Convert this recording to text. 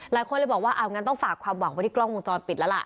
หลายคนเลยบอกว่าเอางั้นต้องฝากความหวังไว้ที่กล้องวงจรปิดแล้วล่ะ